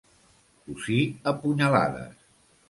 Cosir a punyalades.